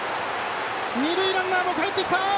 二塁ランナーもかえってきた！